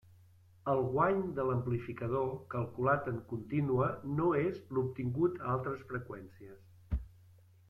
El guany de l'amplificador calculat en contínua no és l'obtingut a altes freqüències.